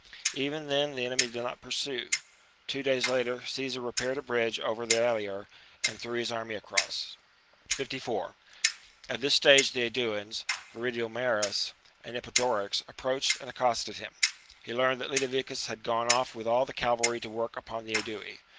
Even then the enemy did not pursue. Two days later Caesar repaired a bridge over the Allier and threw his army across. He permits! 54 At this Stage the Aeduans, Viridomarus arfd virSU and Eporedorix, approached and accosted him. S^keeplhe^ He leamcd that Litaviccus had gone off with all steady, but thc cavaky to work upon the Aedui.